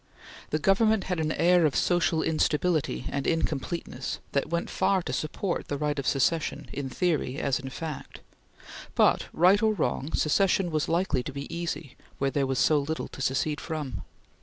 The Government had an air of social instability and incompleteness that went far to support the right of secession in theory as in fact; but right or wrong, secession was likely to be easy where there was so little to secede from.